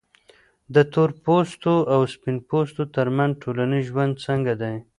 د تورپوستو او سپین پوستو ترمنځ ټولنیز ژوند څنګه دی؟